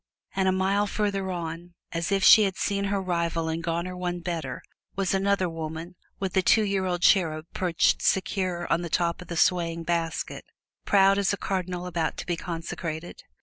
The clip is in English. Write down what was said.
And a mile farther on, as if she had seen her rival and gone her one better, was another woman with a two year old cherub perched secure on top of the gently swaying basket, proud as a cardinal about to be consecrated.